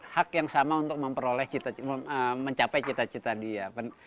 hak yang sama untuk memperoleh mencapai cita cita dia